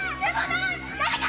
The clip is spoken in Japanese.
誰か！